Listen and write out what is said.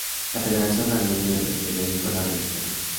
La Federación Armenia de Ajedrez fue la organizadora.